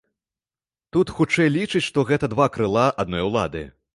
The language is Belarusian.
Тут, хутчэй, лічаць, што гэта два крыла адной улады.